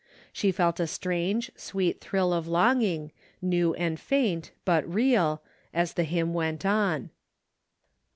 She felt a strange, sweet thrill of longing, new and faint, but real, as the hymn went on.